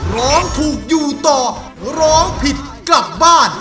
ร้องถูกอยู่ต่อร้องผิดกลับบ้าน